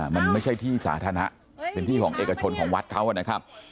มันไม่ใช่ที่สาธารณะเป็นที่ของเอกชนของวัดเขานะครับ